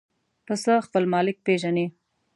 پسه خپل مالک پېژني.